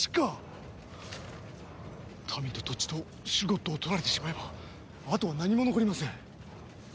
民と土地とシュゴッドを取られてしまえばあとは何も残りません。